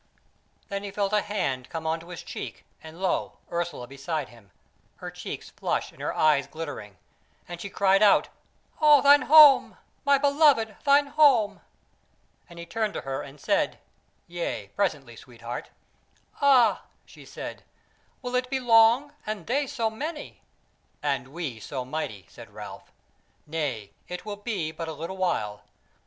Then he felt a hand come on to his cheek, and lo, Ursula beside him, her cheeks flushed and her eyes glittering; and she cried out: "O thine home, my beloved, thine home!" And he turned to her and said; "Yea, presently, sweetheart!" "Ah," she said, "will it be long? and they so many!" "And we so mighty!" said Ralph. "Nay, it will be but a little while.